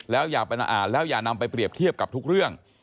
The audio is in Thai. แล้วอย่าไปอ่านแล้วอย่านำไปเปรียบเทียบกับทุกเรื่อง